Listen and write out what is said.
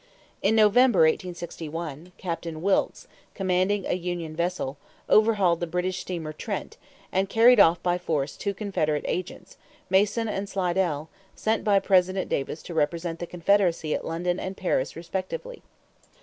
In November, 1861, Captain Wilkes, commanding a union vessel, overhauled the British steamer Trent, and carried off by force two Confederate agents, Mason and Slidell, sent by President Davis to represent the Confederacy at London and Paris respectively.